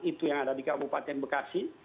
itu yang ada di kabupaten bekasi